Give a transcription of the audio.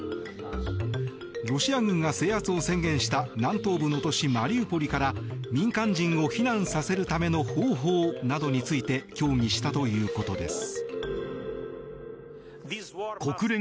ロシア軍が制圧を宣言した南東部の都市マリウポリから民間人を避難させるための方法などについて協議したということです。